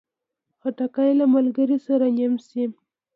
خټکی له ملګري سره نیم شي.